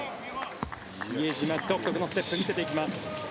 比江島、独特のステップを見せていきます。